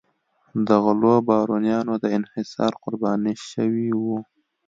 د غلو بارونیانو د انحصار قرباني شوي وو.